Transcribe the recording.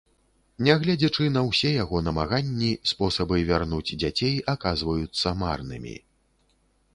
Нягледзячы на ўсе яго намаганні, спробы вярнуць дзяцей аказваюцца марнымі.